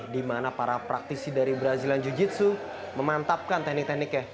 di mana para praktisi dari brazilian jiu jitsu memantapkan teknik tekniknya